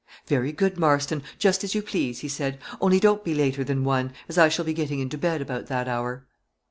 "Very good, Marston, just as you please," he said; "only don't be later than one, as I shall be getting into bed about that hour."